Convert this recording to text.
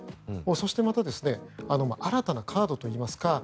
そして、また新たなカードといいますか